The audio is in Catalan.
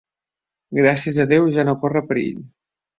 Gràcies a Déu, ja no corre perill.